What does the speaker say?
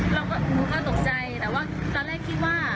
เราก็หงวงมาตกใจแต่ว่าตอนแรกคิดว่า